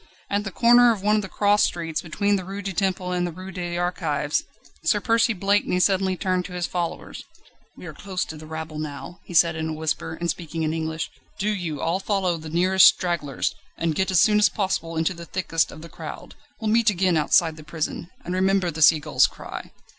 At the corner of one of the cross streets, between the Rue du Temple and the Rue des Archives, Sir Percy Blakeney suddenly turned to his followers: "We are close to the rabble now," he said in a whisper, and speaking in English; "do you all follow the nearest stragglers, and get as soon as possible into the thickest of the crowd. We'll meet again outside the prison and remember the sea gull's cry."